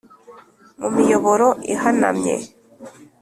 mu miyoboro ihanamye